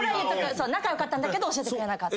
仲良かったんだけど教えてくれなかった。